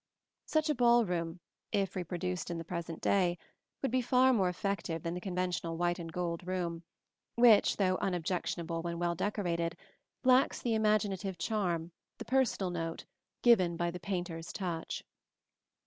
Such a ball room, if reproduced in the present day, would be far more effective than the conventional white and gold room, which, though unobjectionable when well decorated, lacks the imaginative charm, the personal note, given by the painter's touch.